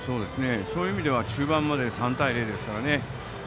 そういう意味では中盤まで３対０ですからね。